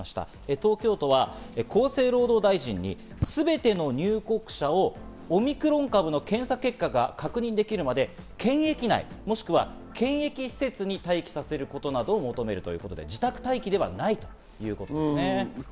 東京都は厚生労働大臣に全ての入国者をオミクロン株の検査結果が確認できるまで検疫内、もしくは検疫施設に待機させることなどを求める要望を行ったということですね。